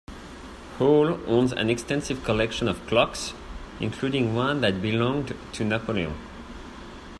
Hall owns an extensive collection of clocks, including one that belonged to Napoleon.